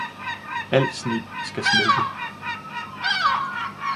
Al sneen skal smelte!